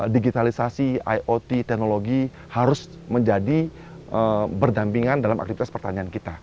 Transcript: digitalisasi iot teknologi harus menjadi berdampingan dalam aktivitas pertanian kita